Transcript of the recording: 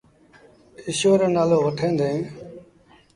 ايٚشور رو نآلو وٺيٚن ديٚݩ۔